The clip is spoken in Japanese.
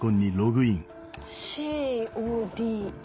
「ＣＯＤＥ」。